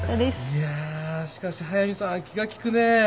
いやしかし速見さんは気が利くね。